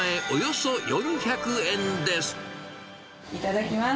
いただきます。